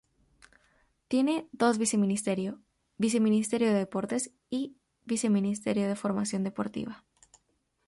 Tiene dos viceministerio: Viceministro de Deportes y Viceministro de Formación Deportiva.